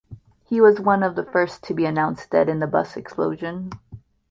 He was one of the first to be announced dead in the bus explosion.